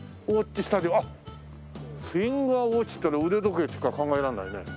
フィンガーウォッチっていうのは腕時計しか考えられないね。